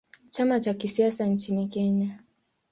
Chama cha kisiasa nchini Kenya.